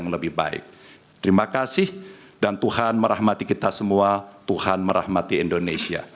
lebih baik terima kasih dan tuhan merahmati kita semua tuhan merahmati indonesia